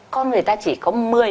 con người ta chỉ có